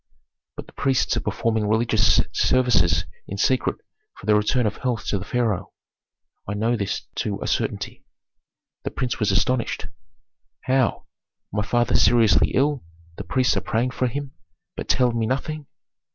"But the priests are performing religious services in secret for the return of health to the pharaoh. I know this to a certainty." The prince was astonished. "How! my father seriously ill, the priests are praying for him, but tell me nothing?"